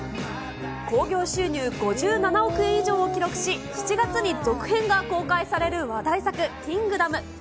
興行収入５７億円以上を記録し、７月に続編が公開される話題作、キングダム。